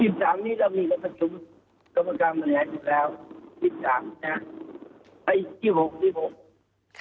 ที่สามนี้เรามีประชุมกรรมการบริหารอยู่แล้วที่สามนะอีกที่หกที่หก